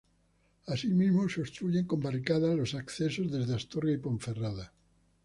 Así mismo, se obstruyen con barricadas los accesos desde Astorga y Ponferrada.